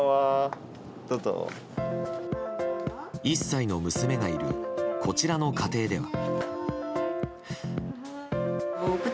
１歳の娘がいるこちらの家庭では。